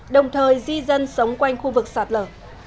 đồng thời di dân sống quanh khu vực sạt lở